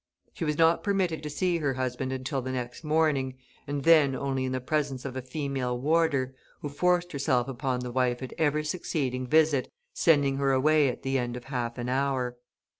She was not permitted to see her husband until the next morning, and then only in the presence of a female warder, who forced herself upon the wife at every succeeding visit, sending her away at the end of half an hour.